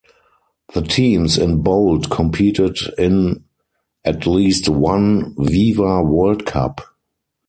The teams in bold competed in at least one Viva World Cup.